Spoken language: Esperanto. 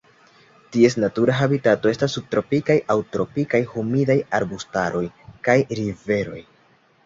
Ties natura habitato estas subtropikaj aŭ tropikaj humidaj arbustaroj kaj riveroj.